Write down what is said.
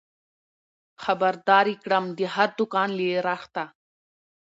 خبر دار يې کړم د هر دوکان له رخته